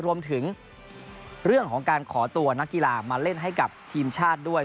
รวมถึงเรื่องของการขอตัวนักกีฬามาเล่นให้กับทีมชาติด้วย